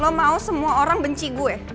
lo mau semua orang benci gue